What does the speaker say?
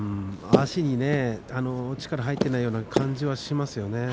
足に力が入っていないような感じがしますね。